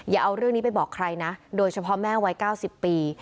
อย่าเอาเรื่องนี้ไปบอกใครนะโดยเฉพาะแม่วัย๙๐ปี